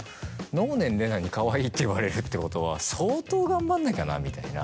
能年玲奈にかわいいって言われるってことは相当頑張んなきゃなみたいな。